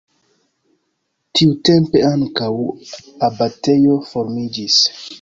Tiutempe ankaŭ abatejo formiĝis.